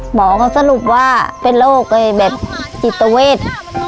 หมอก็สรุปว่าเป็นโรคจิตเวท